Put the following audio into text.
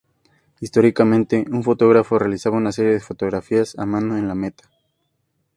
Históricamente, un fotógrafo realizaba una serie de fotografías a mano en la meta.